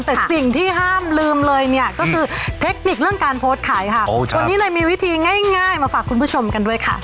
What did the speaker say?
แต่สิ่งที่ห้ามลืมเลยเนี่ยก็คือเทคนิคเรื่องการโพสต์ขายค่ะวันนี้เลยมีวิธีง่ายมาฝากคุณผู้ชมกันด้วยค่ะ